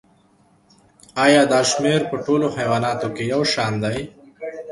ایا دا شمیر په ټولو حیواناتو کې یو شان دی